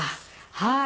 はい。